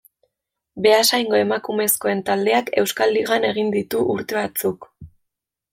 Beasaingo emakumezkoen taldeak Euskal Ligan egin ditu urte batzuk.